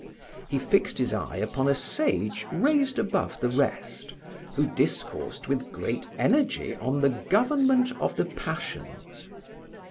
He fixed his eye upon a sage raised above the rest, who discoursed with great energy on the government of the passions.